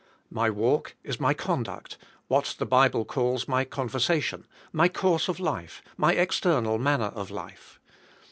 My walk is my conduct, what the Bible calls my conversation, my course of life, my external manner of life.